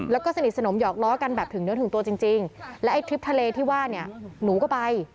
แล้วก็สนิทสนมหอกล้อกันแบบถึงเนื้อถึงตัวจริงและไอ้ทริปทะเลที่ว่าเนี่ยหนูก็ไป